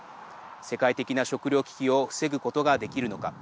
世界的な食料危機を防ぐことができるのか。